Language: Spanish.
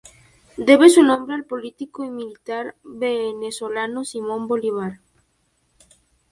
Debe su nombre al político y militar venezolano Simón Bolívar.